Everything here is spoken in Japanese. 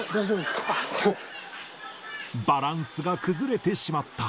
バランスが崩れてしまった。